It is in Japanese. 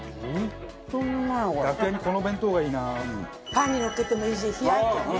パンにのっけてもいいし冷奴にね